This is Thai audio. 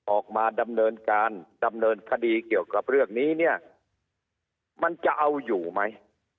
ออกมาดำเนินการดำเนินคดีเกี่ยวกับเรื่องนี้เนี่ยมันจะเอาอยู่ไหม